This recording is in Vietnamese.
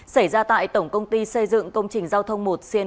xảy ra tại tổng công ty xây dựng công trình giao thông một